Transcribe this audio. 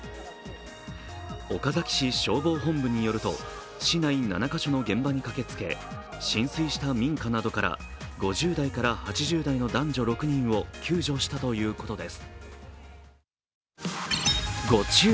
岡崎市消防本部によると、市内７か所の現場に駆けつけ、浸水した民家などから５０代から８０代の男女６人を救助したということです。